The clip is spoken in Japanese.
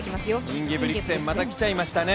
インゲブリクセン、出てきちゃいましたね。